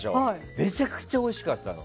めちゃくちゃおいしかったのよ。